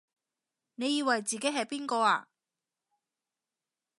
你以為自己係邊個啊？